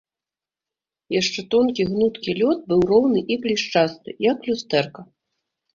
Яшчэ тонкі, гнуткі лёд быў роўны і блішчасты, як люстэрка.